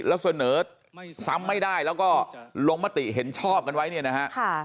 แล้วเสนอซ้ำไม่ได้แล้วก็ลงมติเห็นชอบกันไว้เนี่ยนะฮะ